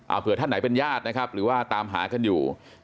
เผื่อท่านไหนเป็นญาตินะครับหรือว่าตามหากันอยู่